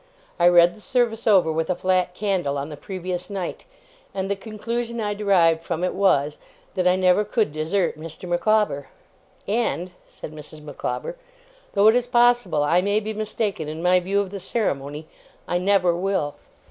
I read the service over with a flat candle on the previous night, and the conclusion I derived from it was, that I never could desert Mr. Micawber. And,' said Mrs. Micawber, 'though it is possible I may be mistaken in my view of the ceremony, I never will!